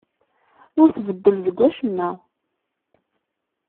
Ur tbeddel deg wacemma.